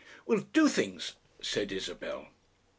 "We'll do things," said Isabel.